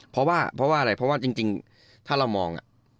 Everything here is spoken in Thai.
เพราะว่าเพราะว่าอะไรเพราะว่าจริงถ้าเรามอง